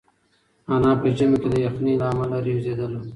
انا په ژمي کې د یخنۍ له امله رېږدېدله.